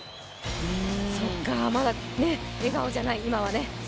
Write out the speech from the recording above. まだ笑顔じゃない、今はね。